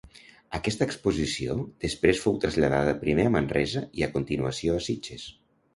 Aquesta exposició després fou traslladada primer a Manresa i a continuació a Sitges.